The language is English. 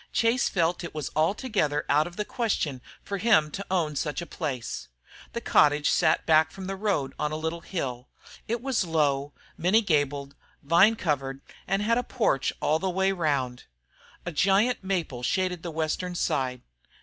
Chase felt it was altogether out of the question for him to own such a place. The cottage sat back from the road on a little hill. It was low, many gabled, vine covered, and had a porch all the way round. A giant maple shaded the western side.